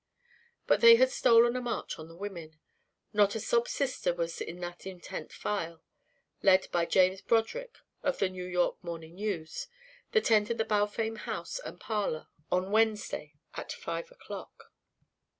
But they had stolen a march on the women. Not a "sob sister" was in that intent file, led by James Broderick of The New York Morning News, that entered the Balfame house and parlour on Wednesday at five o'clock.